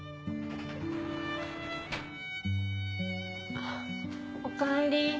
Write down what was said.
あっおかえり。